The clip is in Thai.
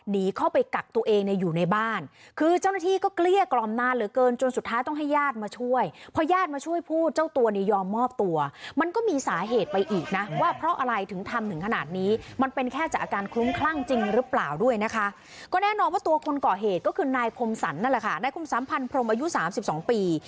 นี่คือนายคมสันนั่นแหละค่ะนายคมสัมพันธ์พรมอายุสามสิบสองปี